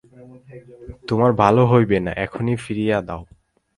তোমার ভালো হইবে না, এখনি ফিরাইয়া দাও।